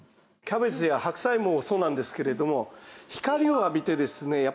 キャベツや白菜もそうなんですけれども光を浴びてですね